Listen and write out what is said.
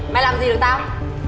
mày làm gì được tao